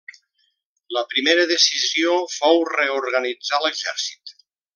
La primera decisió fou reorganitzar l'exèrcit.